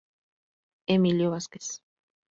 Emilio Vásquez.